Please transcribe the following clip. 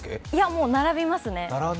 もう並びますね。